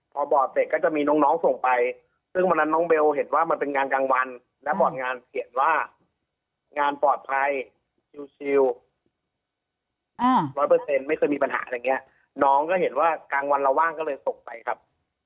พอบอร์ดเสร็จก็จะมีน้องน้องส่งไปซึ่งวันนั้นน้องเบลเห็นว่ามันเป็นงานกลางวันและบอร์ดงานเขียนว่างานปลอดภัยชิวร้อยเปอร์เซ็นต์ไม่เคยมีปัญหาอะไรอย่างเงี้ยน้องก็เห็นว่ากลางวันเราว่างก็เลยส่งไปครับ